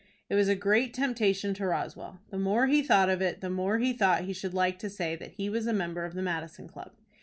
It was a great temptation to Roswell. The more he thought of it, the more he thought he should like to say that he was a member of the Madison Club.